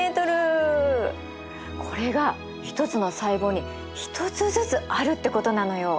これが１つの細胞に１つずつあるってことなのよ。